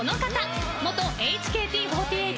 元「ＨＫＴ４８」